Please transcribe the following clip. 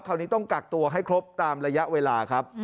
ต้องกักตัวให้ครบตามระยะเวลาครับ